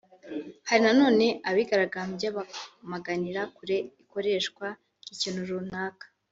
Hari na none abigaragambya bamaganira kure ikoreshwa ry’ikintu runaka